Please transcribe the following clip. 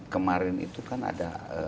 kemarin itu kan ada